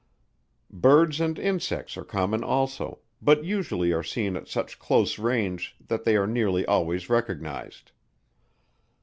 Birds and insects are common also, but usually are seen at such close range that they are nearly always recognized.